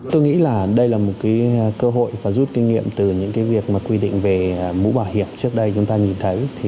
tôi nghĩ là đây là một cơ hội và rút kinh nghiệm từ những việc mà quy định về mũ bảo hiểm trước đây chúng ta nhìn thấy